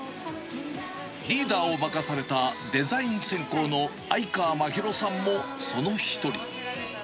リーダーを任された、デザイン専攻の相川まひろさんもその一人。